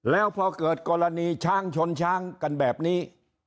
แล้วพอเกิดกรณีช้างชนช้างกันแบบนี้